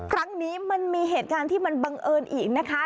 ครั้งนี้มันมีเหตุการณ์ที่มันบังเอิญอีกนะคะ